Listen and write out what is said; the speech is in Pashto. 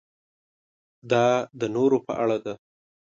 دا د نورو په اړه ده.